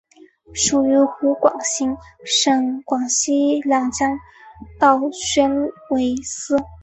属于湖广行省广西两江道宣慰司。